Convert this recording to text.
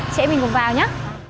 chạy mình cùng vào nhé